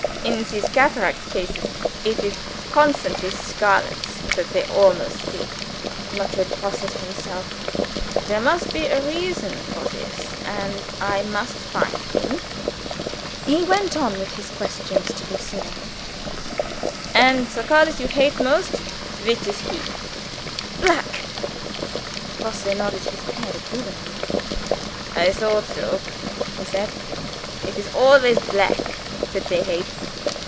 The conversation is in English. "In these cataracts cases, it is constantly scarlets that they almost see," muttered Grosse to himself. "There must be reason for this and I must find him." He went on with his questions to Lucilla. "And the colors you hate most which is he?" "Black." Grosse nodded his head approvingly. "I thought so," he said. "It is always black that they hate.